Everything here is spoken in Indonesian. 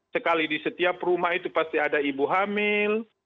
sekali di setiap rumah itu pasti ada ibu hamil